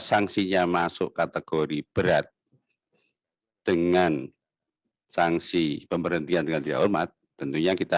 sanksinya masuk kategori berat dengan sanksi pemberhentian dengan tidak hormat tentunya kita